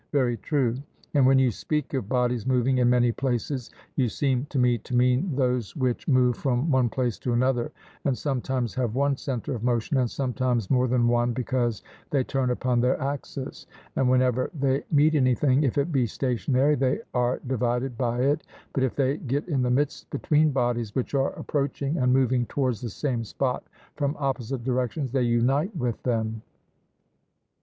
'Very true.' And when you speak of bodies moving in many places, you seem to me to mean those which move from one place to another, and sometimes have one centre of motion and sometimes more than one because they turn upon their axis; and whenever they meet anything, if it be stationary, they are divided by it; but if they get in the midst between bodies which are approaching and moving towards the same spot from opposite directions, they unite with them.